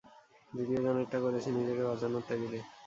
দ্বিতীয়জনেরটা করেছি নিজেকে বাঁচানোর তাগিদে।